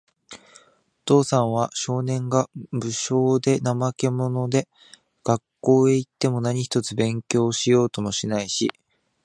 お父さんは、少年が、無精で、怠け者で、学校へいっても何一つ勉強しようともしないし、